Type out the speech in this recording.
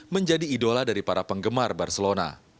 menjadi idola dari para penggemar barcelona